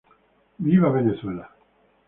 Viva Venezuela.